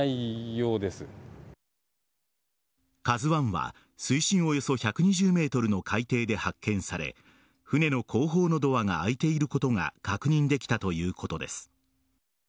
「ＫＡＺＵ１」は水深およそ１２０ｍの海底で発見され船の後方のドアが開いていることが確認できたということです。